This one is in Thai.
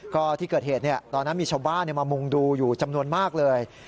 ก็ที่เกิดเหตุตอนนั้นมีชาวบ้านมามุงดูอยู่จำนวนมากเลย